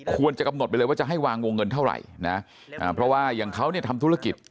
ควรจะกำหนดไปเลยว่าจะให้วางวงเงินเท่าไหร่นะเพราะว่าอย่างเขาเนี่ยทำธุรกิจ